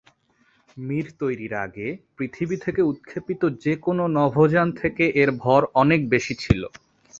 মির তৈরীর আগে পৃথিবী থেকে উৎক্ষেপিত যেকোন নভোযান থেকে এর ভর অনেক বেশি ছিল।